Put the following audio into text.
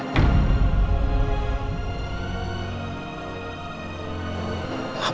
bisa hidup orlando